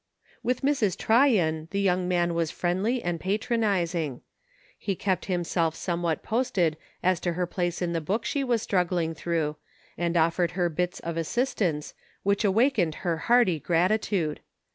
With Mrs. Tryon the young man was friendly and patronizing. He kept himself somewhat posted as to her place in the book she was strug gling through, and offered her bits of assistance, which awakened her hearty gratitude.